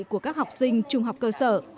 của các học sinh trung học cơ sở